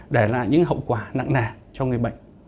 để lại những hậu quả nặng nề cho người bệnh